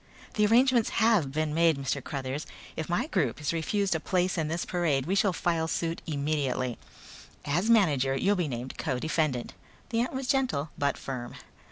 "The arrangements have been made, Mr. Cruthers. If my group is refused a place in this parade we shall file suit immediately. As manager you'll be named co defendant." The ant was gentle but firm.